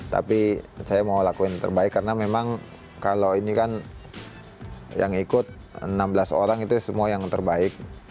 tapi saya mau lakuin yang terbaik karena memang kalau ini kan yang ikut enam belas orang itu semua yang terbaik